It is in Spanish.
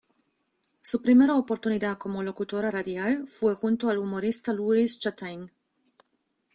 Su primera oportunidad como locutora radial fue junto al humorista Luis Chataing.